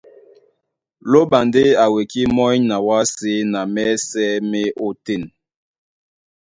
Lóɓa ndé a wekí mɔ́ny na wásē na mɛ́sɛ̄ má e ótên.